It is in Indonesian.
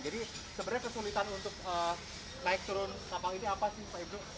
jadi sebenarnya kesulitan untuk naik turun kapal ini apa sih pak ibnu